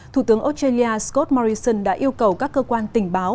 thủ tướng australia scott morrison đã yêu cầu các cơ quan tình báo